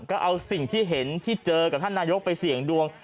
ก็เอาสิ่งที่เห็นที่เจอกับท่านนายกไปเสี่ยงดวง